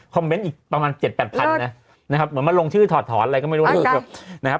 คอมเมนต์อีกประมาณ๗๘พันนะมันมาลงชื่อถอดอะไรก็ไม่รู้นะครับ